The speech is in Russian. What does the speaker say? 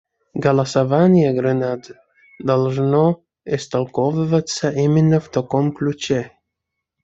Голосование Гренады должно истолковываться именно в таком ключе.